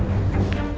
mereka tidak bisa tadi